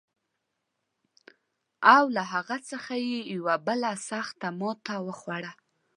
او له هغه څخه یې یوه بله سخته ماته وخوړه.